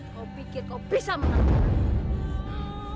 kau pikir kau bisa menampung